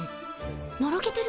のろけてる？